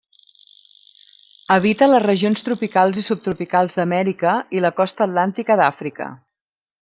Habita les regions tropicals i subtropicals d'Amèrica i la costa atlàntica d'Àfrica.